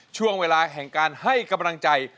ช่วงเวลาแห่งการให้กำลังใจ